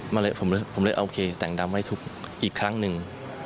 มาเลยผมเลยโอเคแต่งดำให้อีกครั้งนึง